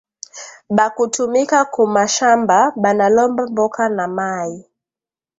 Bakutumika ku mashamba bana lomba mboka na mayi